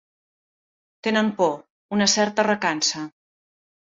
Tenen por, una certa recança.